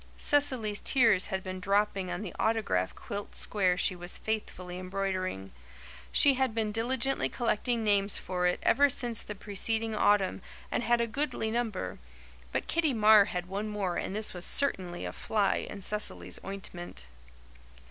Cecily's tears had been dropping on the autograph quilt square she was faithfully embroidering. She had been diligently collecting names for it ever since the preceding autumn and had a goodly number; but Kitty Marr had one more and this was certainly a fly in Cecily's ointment.